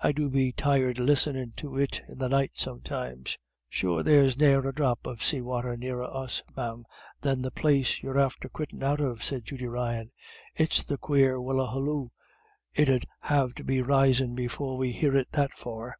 I do be tired listenin' to it in the night sometimes." "Sure there's ne'er a dhrop of say wather nearer us, ma'am, than the place you're after quittin' out of," said Judy Ryan, "it's the quare whillaloo it 'ud have to be risin' before we'd hear it that far."